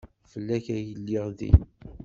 Fell-ak ay lliɣ din.